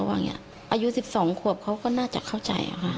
อายุ๑๒ขวบเขาก็น่าจะเข้าใจค่ะ